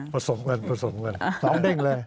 ประสงค์กันประสงค์กันต้องเร่งเลย